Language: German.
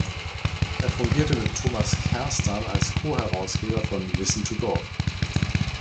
Er fungierte mit Thomas Kerstan als Co-Herausgeber von „Wissen to go“.